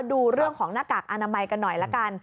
ดูเรื่องของหน้ากากอนามัยกันหน่อยละกัน